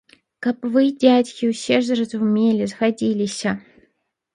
Каб вы, дзядзькі, усё ж зразумелі, згадзіліся.